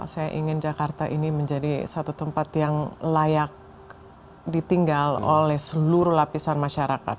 saya ingin jakarta ini menjadi satu tempat yang layak ditinggal oleh seluruh lapisan masyarakat